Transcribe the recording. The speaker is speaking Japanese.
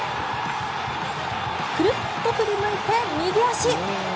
クルッと振り向いて右足！